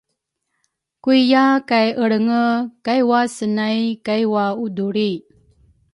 kuiya kay Elrenge kai wasenay kai waudulri.